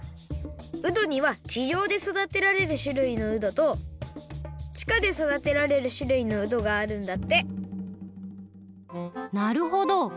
うどにはちじょうでそだてられるしゅるいのうどとちかでそだてられるしゅるいのうどがあるんだってなるほど。